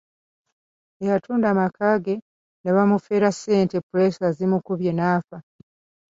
Eyatunda amaka ge ne bamufera ssente puleesa zimukubye n’afa.